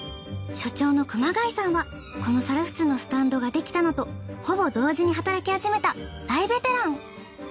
所長の熊谷さんはこの猿払のスタンドができたのとほぼ同時に働き始めた大ベテラン。